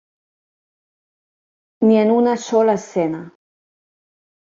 Ni en una sola escena.